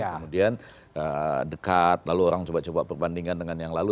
kemudian dekat lalu orang coba coba perbandingan dengan yang lalu